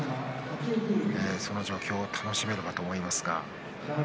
その状況を楽しめるかと思います。